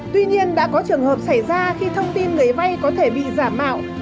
tuy nhiên đã có trường hợp xảy ra khi thông tin người vay có thể bị giả mạo